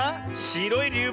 しろいりゅう